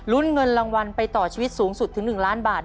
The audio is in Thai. เงินรางวัลไปต่อชีวิตสูงสุดถึง๑ล้านบาท